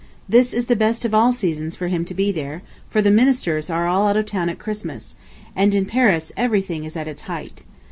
This is the best of all seasons for him to be there, for the Ministers are all out of town at Christmas, and in Paris everything is at its height.